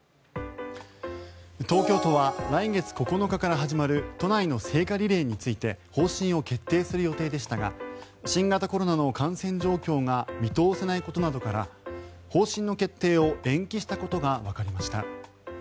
東京都は来月９日から始まる都内の聖火リレーについて方針を決定する予定でしたが新型コロナの感染状況が見通せないことなどから方針の決定を延期したことがわかりました。